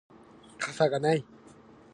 傘がない